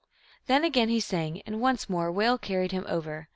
Then again lie sang, and once more a whale carried him over.